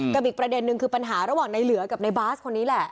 อีกประเด็นนึงคือปัญหาระหว่างในเหลือกับในบาสคนนี้แหละ